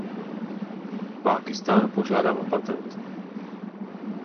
V Pákistánu požádal o patent.